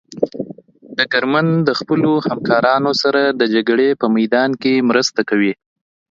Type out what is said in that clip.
ډګرمن د خپلو همکارانو سره د جګړې په میدان کې مرسته کوي.